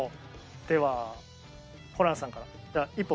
ではホランさんから一歩前に。